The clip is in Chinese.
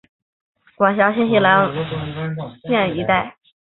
辖境相当今陕西省蓝田县一带。